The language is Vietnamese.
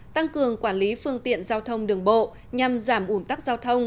tăng cường quản lý phương tiện giao thông đường bộ nhằm giảm ủn tắc giao thông